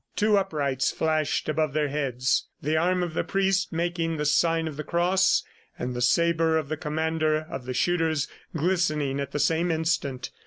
Two uprights flashed up above their heads the arm of the priest making the sign of the cross, and the sabre of the commander of the shooters, glistening at the same instant.